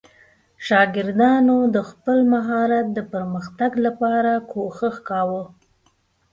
شاګردانو د خپل مهارت د پرمختګ لپاره کوښښ کاوه.